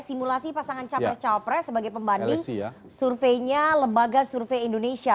simulasi pasangan capres capres sebagai pembanding surveinya lembaga survei indonesia